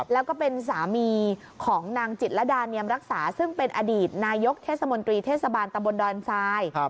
แล้วก็เป็นสามีของนางจิตรดาเนียมรักษาซึ่งเป็นอดีตนายกเทศมนตรีเทศบาลตำบลดอนทราย